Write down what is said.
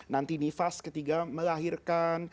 nanti nifas ketika melahirkan